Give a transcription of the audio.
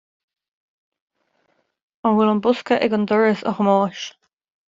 An bhfuil an bosca ag an doras, a Thomáis